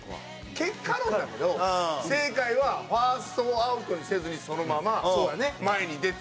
結果論だけど正解はファーストもアウトにせずにそのまま前に出て。